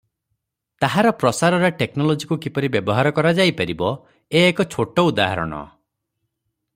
ତାହାର ପ୍ରସାରରେ ଟେକନୋଲୋଜିକୁ କିପରି ବ୍ୟବହାର କରାଯାଇପାରିବ ଏ ଏକ ଛୋଟ ଉଦାହରଣ ।